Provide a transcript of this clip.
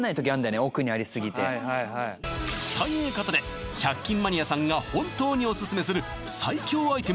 奥にありすぎてはいはいはいということで１００均マニアさんが本当にオススメする最強アイテム